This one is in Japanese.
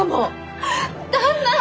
旦那！